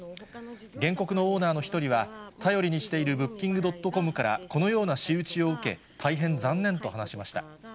原告のオーナーの１人は、頼りにしているブッキングドットコムから、このような仕打ちを受け、大変残念と話しました。